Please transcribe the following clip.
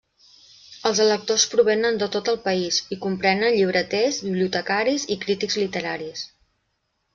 Els electors provenen de tot el país i comprenen llibreters, bibliotecaris i crítics literaris.